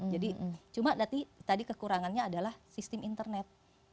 jadi cuma tadi kekurangannya adalah sistem internet